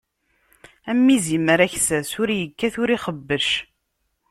Am izimer aksas, ur ikkat ur ixebbec.